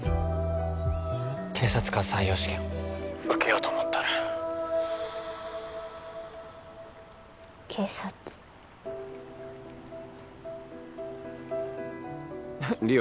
警察官採用試験☎受けようと思っとる警察梨央？